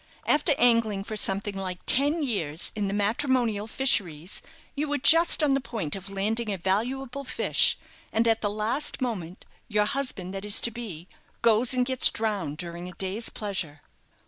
After angling for something like ten years in the matrimonial fisheries, you were just on the point of landing a valuable fish, and at the last moment your husband that is to be goes and gets drowned during a day's pleasure."